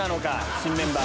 新メンバー。